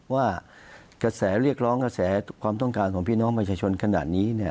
ว่ากระแสเรียกร้องกระแสความต้องการของพี่น้องประชาชนขนาดนี้เนี่ย